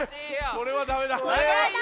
これはダメだね。